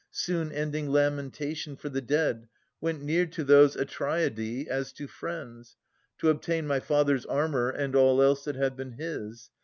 28o Philodetes [360 387 Soon ending lamentation for the dead, Went near to those Atreidae, as to friends, To obtain my father's armour and all else That had been his.